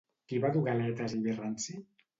Qui va dur galetes i vi ranci?